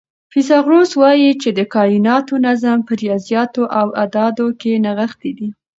فیثاغورث وایي چې د کائناتو نظم په ریاضیاتو او اعدادو کې نغښتی دی.